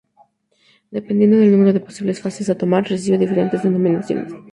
Dependiendo del número de posibles fases a tomar, recibe diferentes denominaciones.